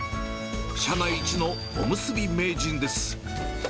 社内一のおむすび名人です。